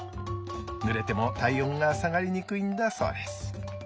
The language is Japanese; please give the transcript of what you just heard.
濡れても体温が下がりにくいんだそうです。